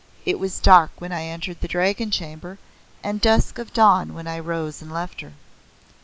It was dark when I entered the Dragon Chamber and dusk of dawn when I rose and left her."